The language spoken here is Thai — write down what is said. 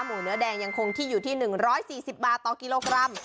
เนื้อแดงยังคงที่อยู่ที่๑๔๐บาทต่อกิโลกรัม